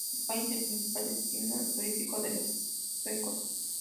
España es el principal destino turístico de los suecos.